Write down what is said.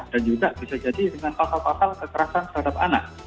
dan juga bisa jadi dengan pasal pasal kekerasan terhadap anak